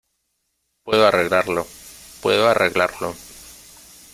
puedo arreglarlo. puedo arreglarlo .